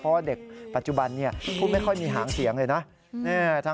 เพราะว่าเด็กปัจจุบันพูดไม่ค่อยมีหางเสียงเลยนะ